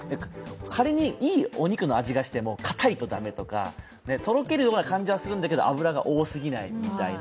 仮にいいお肉の味がしてもかたいと駄目とか、とろけるような感じがするんだけど脂が多過ぎないみたいな。